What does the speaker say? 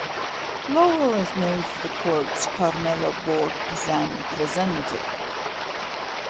Lowell is known for the quotes Carmelo Borg Pisani, presente!